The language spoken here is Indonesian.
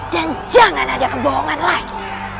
dan jangan ada kebohongan lagi